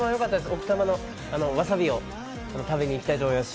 奥多摩のわさびを食べに行きたいと思います。